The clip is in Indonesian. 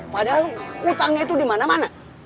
padahal utangnya itu dimana mana